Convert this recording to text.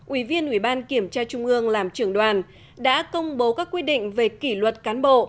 ủy viên ủy ban kiểm tra trung ương làm trưởng đoàn đã công bố các quy định về kỷ luật cán bộ